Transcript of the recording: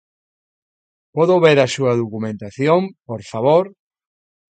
Podo ver a súa documentación, por favor?